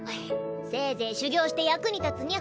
せいぜい修行して役に立つニャ。